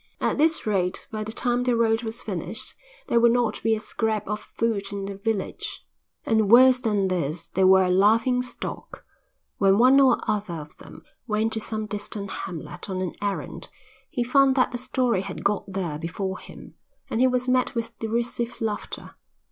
At this rate by the time the road was finished there would not be a scrap of food in the village. And worse than this, they were a laughing stock; when one or other of them went to some distant hamlet on an errand he found that the story had got there before him, and he was met with derisive laughter.